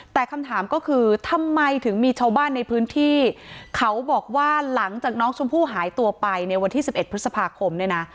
แต่คำถามก็คือทำไมถึงมีชาวบ้านในพื้นที่เขาบอกว่าหลังจากน้องชมพู่หายตัวไปในวันที่๑๑พฤษภาคมเนี่ยนะ